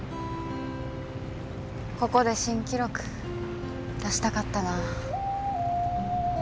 ここで新記録出したかったな。